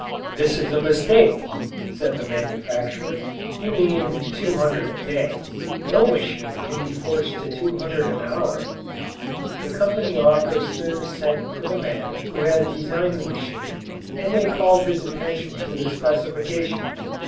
"This is a mistake," said the manufacturer, "you mean two hundred a day no machine can be forced to two hundred an hour." The company officer sent for the man who had designed the machine and they called his attention to the specification.